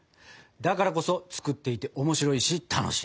だからこそ作っていて面白いし楽しい。